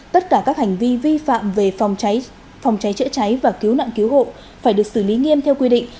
tất cả các hành vi vi phạm về phòng trái trợ trái và cứu nạn cứu hộ phải được xử lý nghiêm theo quy định